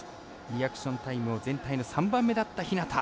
リアクションタイムを全体の３番目だった日向。